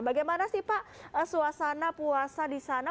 bagaimana sih pak suasana puasa di sana